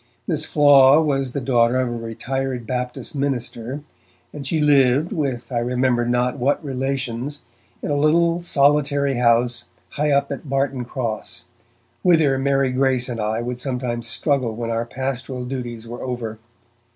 Miss Flaw was the daughter of a retired Baptist minister, and she lived, with I remember not what relations, in a little solitary house high up at Barton Cross, whither Mary Grace and I would sometimes struggle when our pastoral duties were over.